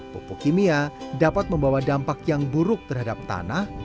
pupuk kimia dapat membawa dampak yang buruk terhadap tanah